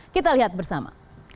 kita lihat bersama